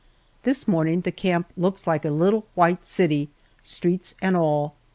This morning the camp looks like a little white city streets and all.